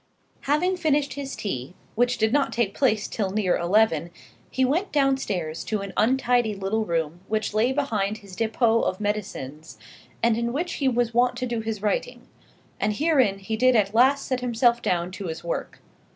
Having finished his tea, which did not take place till near eleven, he went downstairs to an untidy little room which lay behind his depôt of medicines, and in which he was wont to do his writing; and herein he did at last set himself down to his work.